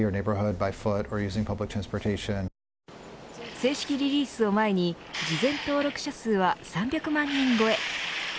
正式リリースを前に事前登録者数は３００万人超え。